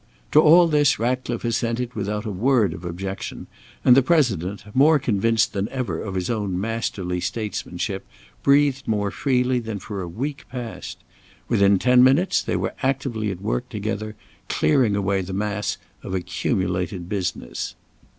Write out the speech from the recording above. To all this Ratcliffe assented without a word of objection, and the President, more convinced than ever of his own masterly statesmanship, breathed more freely than for a week past. Within ten minutes they were actively at work together, clearing away the mass of accumulated business.